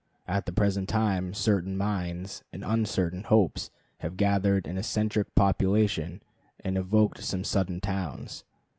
At the present time certain mines, and uncertain hopes, have gathered an eccentric population and evoked some sudden towns.